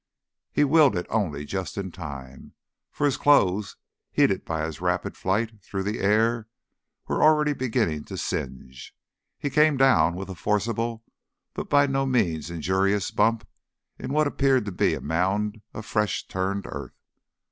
He willed it only just in time, for his clothes, heated by his rapid flight through the air, were already beginning to singe. He came down with a forcible, but by no means injurious bump in what appeared to be a mound of fresh turned earth.